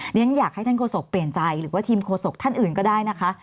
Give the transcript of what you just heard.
ฉันอยากให้ท่านโฆษกเปลี่ยนใจหรือว่าทีมโฆษกท่านอื่นก็ได้นะคะ